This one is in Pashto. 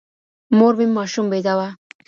مور مي ماشوم بېداوه.